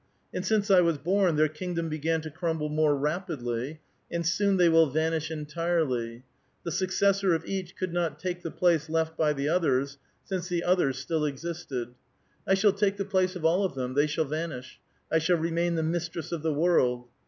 And since I was born, their kingdom began to crumble more rapidly ; and soon they will vanish entirely ; the successor of each could not take the place left by the others, since the others still existed. I shall take the place of all of them ; they shall vanish ; I shall remain the mistress of the world.